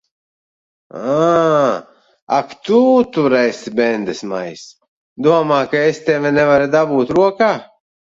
Ā! Ak tu tur esi, bendesmaiss! Domā, es tevi nevaru dabūt rokā.